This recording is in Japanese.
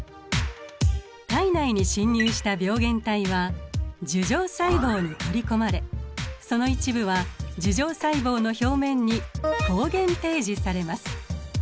体内に侵入した病原体は樹状細胞に取り込まれその一部は樹状細胞の表面に抗原提示されます。